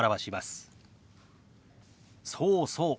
そうそう。